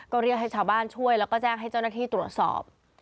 ก็เรียกให้ชาวบ้านช่วยแล้วก็แจ้งให้เจ้าหน้าที่ตรวจสอบ